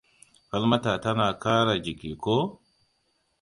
Falmata tana kara jiki, ko?